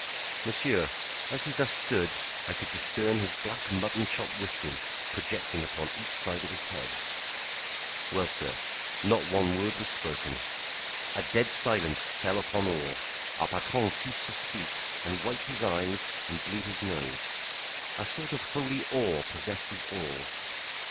Monsieur, as he thus stood I could discern his black mutton chop whiskers projecting upon each side of his head. Well, sir, not one word was spoken. A dead silence fell upon all. Our patron ceased to speak, and wiped his eyes and blew his nose. A sort of holy awe possessed us all.